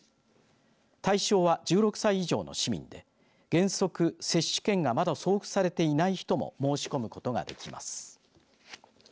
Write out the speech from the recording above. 対象は１６歳以上の市民で原則、接種券がまだ送付されていない人も申し込むことができます。